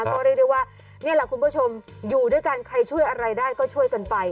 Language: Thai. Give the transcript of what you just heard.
ก็เรียกได้ว่านี่แหละคุณผู้ชมอยู่ด้วยกันใครช่วยอะไรได้ก็ช่วยกันไป